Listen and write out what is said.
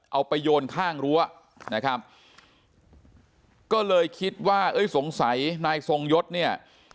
เอาไปโยนข้างรั้วนะครับก็เลยคิดว่าเอ้ยสงสัยนายทรงยศเนี่ย